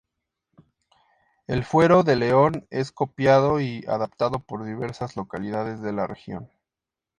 El Fuero de León es copiado y adaptado por diversas localidades de la región.